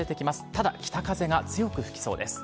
ただ、北風が強く吹きそうです。